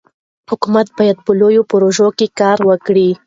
حکومت باید په لویو پروژو کار وکړي.